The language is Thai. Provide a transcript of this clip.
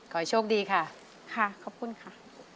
โชคดีค่ะค่ะขอบคุณค่ะ